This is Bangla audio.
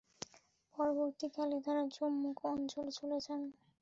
পরবর্তীকালে তারা জম্মু অঞ্চলে চলে যান।